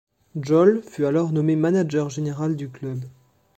Jol fut alors nommé manager général du club.